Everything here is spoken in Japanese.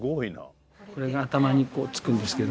これが頭にこうつくんですけど。